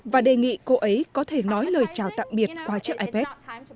và đề nghị cô ấy có thể nói lời chào tạm biệt qua chiếc ipad